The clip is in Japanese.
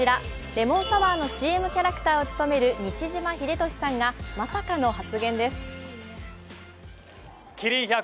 レモンサワーのＣＭキャラクターを務める西島秀俊さんがまさかの発言です。